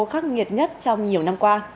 khắc nghiệt nhất trong nhiều năm qua